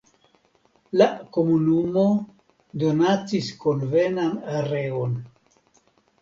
La komunumo donacis konvenan areon.